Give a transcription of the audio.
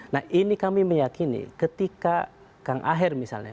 nah ini kami meyakini ketika kang aher misalnya